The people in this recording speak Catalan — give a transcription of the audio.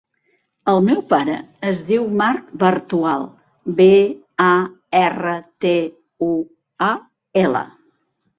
El meu pare es diu Marc Bartual: be, a, erra, te, u, a, ela.